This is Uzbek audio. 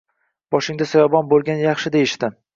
Boshinga soyabon bo`lgani yaxshi deyishdi